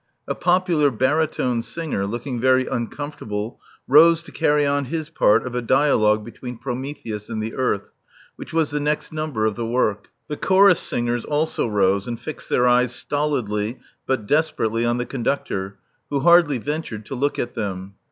A popular baritone singer, looking very uncomfort able, rose to carry on his part of a dialogue between Prometheus and the earth, which was the next number of the work. The chorus singers also rose, and fixed their eyes stolidly but desperately on the conductor, who hardly ventured to look at them.